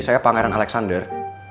saya pangeran alexander